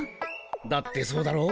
だってそうだろ。